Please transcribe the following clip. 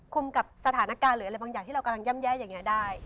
กับสถานการณ์หรืออะไรบางอย่างที่เรากำลังย่ำแย่อย่างนี้ได้